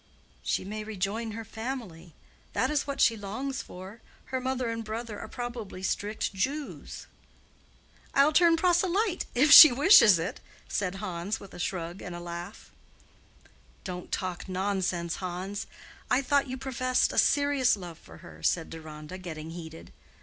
"She may rejoin her family. That is what she longs for. Her mother and brother are probably strict Jews." "I'll turn proselyte, if she wishes it," said Hans, with a shrug and a laugh. "Don't talk nonsense, Hans. I thought you professed a serious love for her," said Deronda, getting heated.